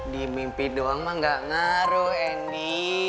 di mimpi doang mah gak ngaruh ini